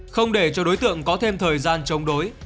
không để cho đối tượng có thêm thời gian chống đối